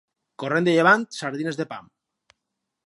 Corrent de llevant, sardines de pam.